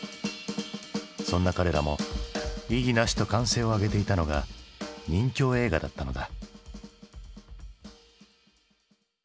そんな彼らも「異議なし」と歓声を上げていたのが任侠映画だったのだ。